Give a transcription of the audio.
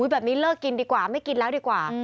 แบบนี้เลิกกินดีกว่าไม่กินแล้วดีกว่า